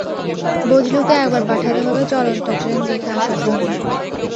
বজলুকে একবার পাঠাতে হবে চলন্ত ট্রেন দেখে আসার জন্যে।